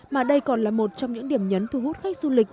mà đây còn là một trong những điểm nhấn thu hút khách du lịch